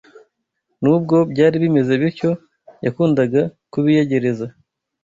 Nubwo byari bimeze bityo, yakundaga kubiyegereza